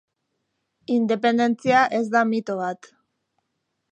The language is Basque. Independentzia ez da mito bat.